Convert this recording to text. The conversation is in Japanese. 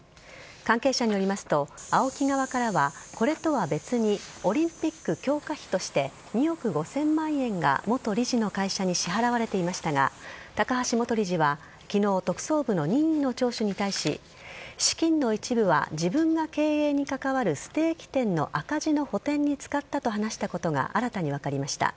関係者によりますと、ＡＯＫＩ側からはこれとは別にオリンピック強化費として、２億５０００万円が元理事の会社に支払われていましたが、高橋元理事はきのう、特捜部の任意の聴取に対し、資金の一部は自分が経営に関わるステーキ店の赤字の補填に使ったと話したことが新たに分かりました。